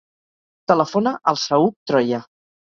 Telefona al Saüc Troya.